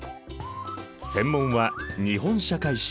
専門は日本社会史。